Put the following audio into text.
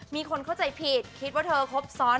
มีคนเข้าใจผิดคิดว่าเธอครบซ้อน